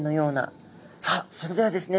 さあそれではですね